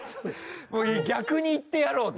逆に行ってやろうと。